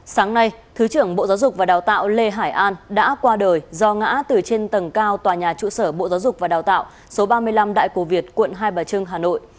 sáng nay thứ trưởng bộ giáo dục và đào tạo lê hải an đã qua đời do ngã từ trên tầng cao tòa nhà trụ sở bộ giáo dục và đào tạo số ba mươi năm đại cổ việt quận hai bà trưng hà nội